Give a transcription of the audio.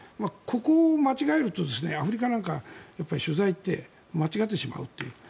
ここを間違えるとアフリカなんかは取材に行って間違ってしまうという。